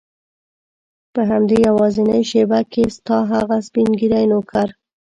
په همدې یوازینۍ شېبه کې ستا هغه سپین ږیری نوکر.